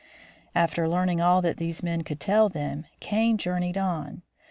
After learning ail that these men could tell him, Kane journeyed on.